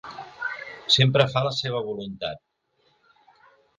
Sempre fa la seva voluntat.